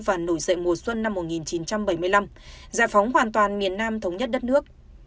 và nổi dậy mùa xuân năm một nghìn chín trăm bảy mươi năm giải phóng hoàn toàn miền nam thống nhất đất nước